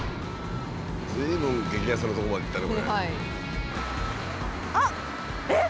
ずいぶん激安な所まで行ったねこれ。